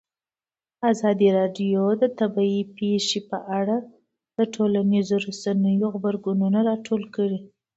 ازادي راډیو د طبیعي پېښې په اړه د ټولنیزو رسنیو غبرګونونه راټول کړي.